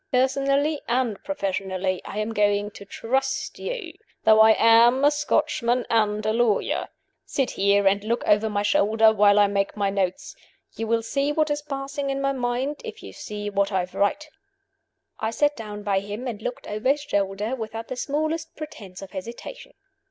Personally and professionally, I am going to trust you though I am a Scotchman and a lawyer. Sit here, and look over my shoulder while I make my notes. You will see what is passing in my mind if you see what I write." I sat down by him, and looked over his shoulder, without the smallest pretense of hesitation.